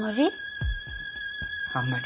あんまり？